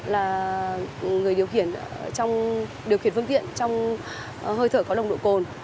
là người điều khiển trong điều khiển phương tiện trong hơi thở có nồng độ cồn